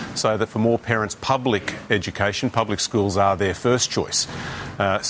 agar untuk lebih banyak orang tua yang memiliki pendidikan publik sekolah publik adalah pilihan pertama mereka